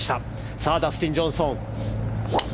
さあ、ダスティン・ジョンソン。